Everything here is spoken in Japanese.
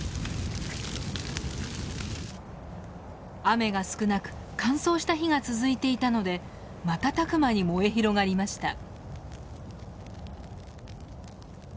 雨が少なく乾燥した日が続いていたので瞬く間に燃え広がりました。